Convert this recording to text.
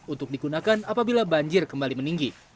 untuk digunakan apabila banjir kembali meninggi